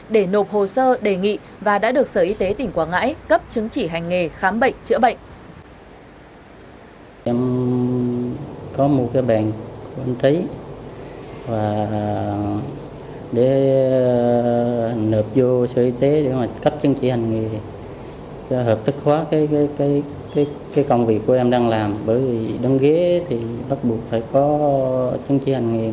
để nộp hồ sơ đề nghị và đã được sở y tế tỉnh quảng ngãi cấp chứng chỉ hành nghề khám bệnh chữa bệnh